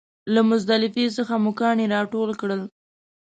له مزدلفې څخه مو کاڼي ټول کړل.